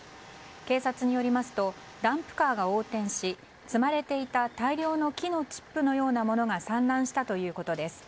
警察によりますとダンプカーが横転し積まれていた大量の木のチップのようなものが散乱したということです。